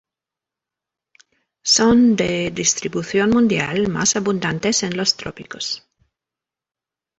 Son de distribución mundial, más abundantes en los trópicos.